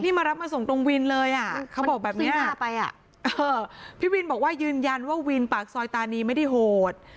นี่มารับมาส่งตรงวินเลยอ่ะเขาบอกแบบนี้พี่วินบอกว่ายืนยันว่าวินปากซอยตานีไม่ได้โหด